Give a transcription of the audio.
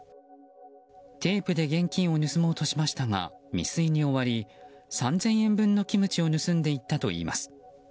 テープで現金を盗もうとしましたが未遂に終わり３０００円分のキムチを盗んでいったといいます。